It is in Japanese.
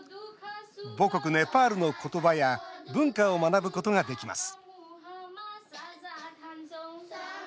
母国ネパールの言葉や文化を学ぶことができます